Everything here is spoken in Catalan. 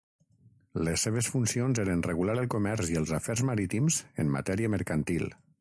Les seves funcions eren regular el comerç i els afers marítims en matèria mercantil.